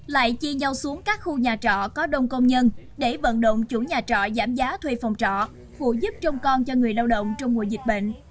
lại chia nhau xuống các khu nhà trọ có đông công nhân để vận động chủ nhà trọ giảm giá thuê phòng trọ phụ giúp trông con cho người lao động trong mùa dịch bệnh